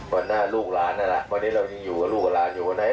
วันหน้าลูกหลานนั่นแหละวันนี้เรายังอยู่กับลูกกับหลานอยู่วันไหน